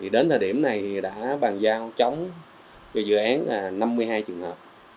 đến thời điểm này đã bàn giao chống cho dự án năm mươi hai trường hợp